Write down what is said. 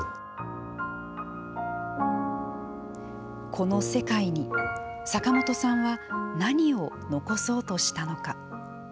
この世界に、坂本さんは何を残そうとしたのか。